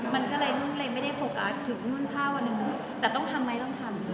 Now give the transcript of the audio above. มันก็เลยไม่ได้โฟการ์ดถึงนู่นเท่านึงแต่ต้องทำไหมต้องทำ